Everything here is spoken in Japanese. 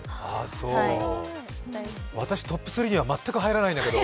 私、トップ３には全く入らないんだけど。